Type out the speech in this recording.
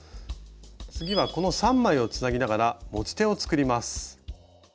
次はこの３枚をつなぎながら持ち手を作ります。